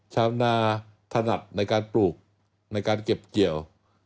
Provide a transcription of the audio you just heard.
ชาวนาถนัดในการปลูกในการเก็บเกี่ยว